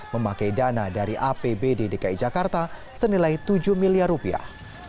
memakai dana dari apbd dki jakarta senilai tujuh miliar rupiah